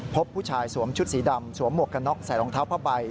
พบผู้ชายสวมชุดสีดำสวมหมวกกันน็อกใส่รองเท้าผ้าใบ